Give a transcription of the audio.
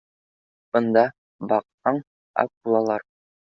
Бында, баҡһаң, акулалар